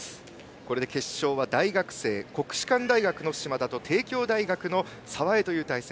これで決勝は大学生国士舘大学の嶋田と帝京大学の澤江という対戦。